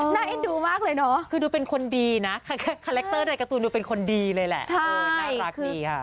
เอ็นดูมากเลยเนาะคือดูเป็นคนดีนะคาแรคเตอร์ใดการ์ตูนดูเป็นคนดีเลยแหละน่ารักดีค่ะ